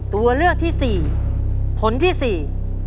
ตัวเลือกที่สี่ผลที่สี่